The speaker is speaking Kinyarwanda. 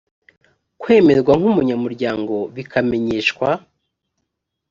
kwemerwa nk umunyamuryango bikamenyeshwa